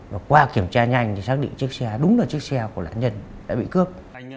và qua kiểm tra nhanh thì xác định chiếc xe đúng là chiếc xe của nạn nhân đã bị cướp